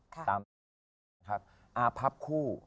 ตามอาพับคู่